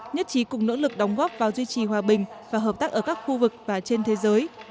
nhất trí cùng nỗ lực đóng góp vào duy trì hòa bình và hợp tác ở các khu vực và trên thế giới